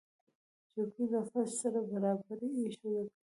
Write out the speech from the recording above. چوکۍ له فرش سره برابرې ایښودل کېږي.